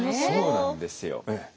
そうなんですよ。